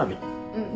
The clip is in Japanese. うん。